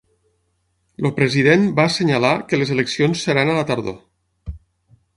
El president va assenyalar que les eleccions seran a la tardor.